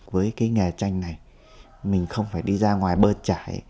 với cái nghề tranh này mình không phải đi ra ngoài bơ trải